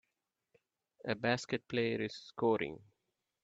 A basket player is scoring.